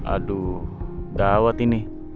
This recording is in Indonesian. aduh dah awet ini